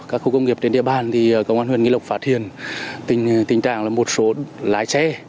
các khu công nghiệp trên địa bàn thì công an huyện nghi lộc phát hiện tình trạng là một số lái xe